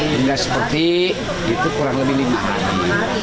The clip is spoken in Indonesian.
hingga seperti itu kurang lebih lima hari